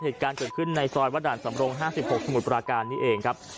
เหตุการณ์เกิดขึ้นในซอยวัดด่านสำรง๕๖สมุทรปราการนี้เองครับ